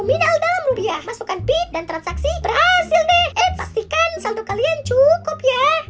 minal dalam rupiah masukkan pit dan transaksi berhasil deh eh pastikan satu kalian cukup ya